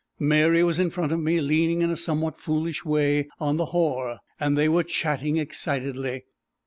Mary was in front of me, leaning in a somewhat foolish way on the haw er, and they were chatting excitedly.